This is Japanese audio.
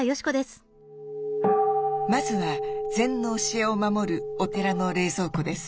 まずは禅の教えを守るお寺の冷蔵庫です。